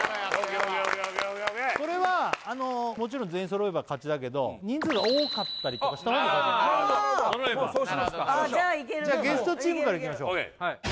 これはあのもちろん全員揃えば勝ちだけど人数が多かったりとかした方も勝ちそうしますかじゃいけるゲストチームからいきましょうＯＫ